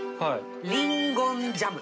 リンゴンジャム。